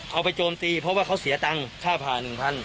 โจมตีเพราะว่าเขาเสียตังค์ค่าผ่า๑๐๐